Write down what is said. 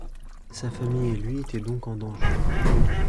Sa famille et lui étaient donc en danger.